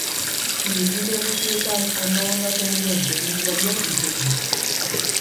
Ibilbide guztietan ondo moldatzen diren txirrindulariak ditugu.